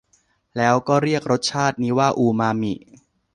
แล้วก็เรียกรสชาตินี้ว่าอูมามิ